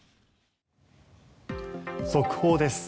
速報です。